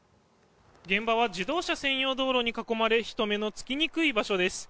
現場は自動車専用道路に囲まれ人目のつきにくい場所です。